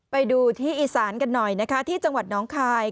ไปดูที่อีสานกันหน่อยนะคะที่จังหวัดน้องคาย